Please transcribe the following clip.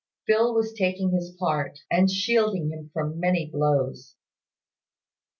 Phil was taking his part, and shielding him from many blows.